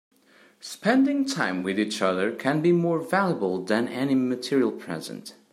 Spending time with each other can be more valuable than any material present.